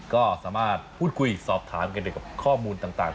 ก็สามารถพูดคุยสอบถามกันเกี่ยวกับข้อมูลต่าง